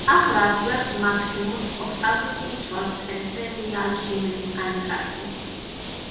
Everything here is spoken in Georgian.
ახლა ასრულებს მაქსიმუს ოქტავიუსის როლს ტელესერიალში „მრისხანე კაცი“.